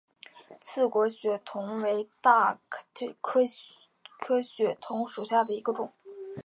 刺果血桐为大戟科血桐属下的一个种。